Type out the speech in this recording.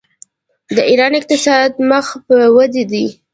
د ایران اقتصاد مخ په وده دی.